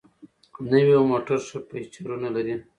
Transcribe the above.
نوي موټر ښه فیچرونه لري.